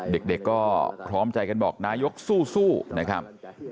เด็กก็พร้อมใจกันบอกนายกสู้นะครับ